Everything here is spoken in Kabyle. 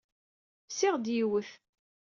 Fsiɣ-d yiwet.